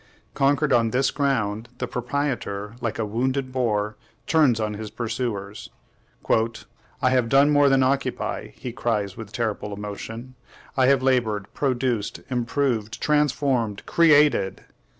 Conquered on this ground, the proprietor, like a wounded boar, turns on his pursuers. "I have done more than occupy," he cries with terrible emotion; "I have labored, produced, improved, transformed, CREATED.